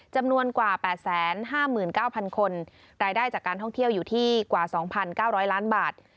จำนวนกว่า๘๕๙๐๐คนรายได้จากการท่องเที่ยวอยู่ที่กว่า๒๙๐๐ล้านบาท